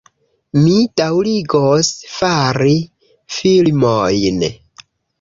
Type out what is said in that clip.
Mi daŭrigos fari filmojn